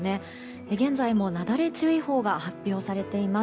現在も、なだれ注意報が発表されています。